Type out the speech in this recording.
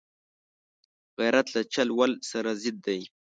غیرت له چل ول سره ضد دی